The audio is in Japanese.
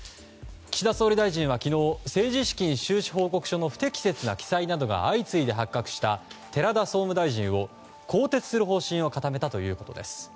岸田総理大臣は昨日政治資金収支報告書の不適切な記載が相次いで発覚した寺田総務大臣を更迭する方針を固めたということです。